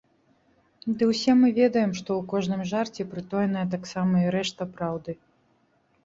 Ды ўсе мы ведаем, што ў кожным жарце прытоеная таксама і рэшта праўды.